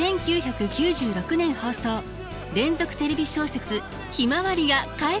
１９９６年放送連続テレビ小説「ひまわり」が帰ってくる。